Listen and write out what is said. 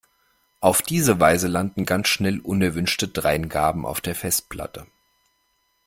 Auf diese Weise landen ganz schnell unerwünschte Dreingaben auf der Festplatte.